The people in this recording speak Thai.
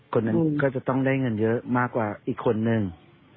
คนหนึ่งก็จะต้องได้เงินเยอะมากกว่าอีกคนนึง